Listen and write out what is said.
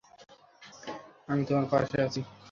আমি তোমার পাশে আছি।